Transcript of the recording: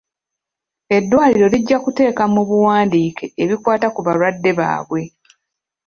Eddwaliro lijja kuteeka mu buwandiike ebikwata ku balwadde babwe.